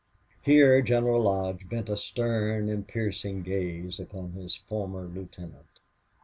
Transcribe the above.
Here General Lodge bent a stern and piercing gaze upon his former lieutenant.